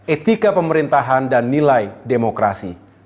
etika pemerintahan dan nilai demokrasi